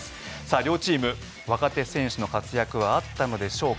両チーム若手選手の活躍はあったのでしょうか。